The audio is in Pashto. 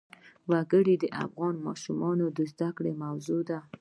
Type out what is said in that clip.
وګړي د افغان ماشومانو د زده کړې موضوع ده.